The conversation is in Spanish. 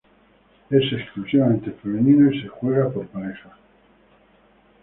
Es exclusivamente femenino y se juega por parejas.